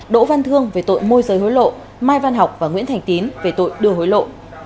đỗ văn thương về tội môi giới hối lộ mai văn học và nguyễn thành tín về tội đưa hối lộ